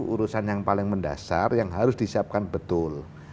urusan yang paling mendasar yang harus disiapkan betul